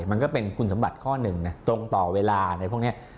มันก็เป็นคุณสมบัติข้อหนึ่งนะตรงต่อเวลาอะไรพวกนี้